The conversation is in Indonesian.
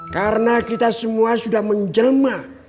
karena kita semua sudah menjema